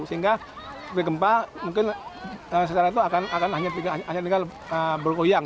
sehingga gempa mungkin secara itu akan hanya tinggal bergoyang